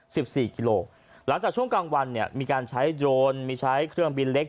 สิบสี่กิโลหลังจากช่วงกลางวันเนี่ยมีการใช้โดรนมีใช้เครื่องบินเล็ก